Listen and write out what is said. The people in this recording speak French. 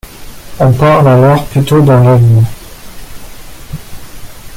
On parle alors plutôt d'enlèvement.